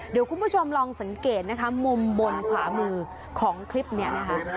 เดี๋ยวคุณผู้ชมลองสังเกตนะคะมุมบนขวามือของคลิปนี้นะคะ